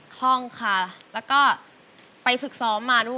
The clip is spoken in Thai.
คล่องค่ะแล้วก็ไปฝึกซ้อมมาด้วย